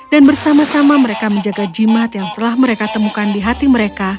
dan bersama sama mereka menjaga jimat yang telah mereka temukan di hati mereka